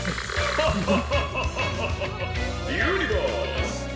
「ハハハハハハユニバース！」。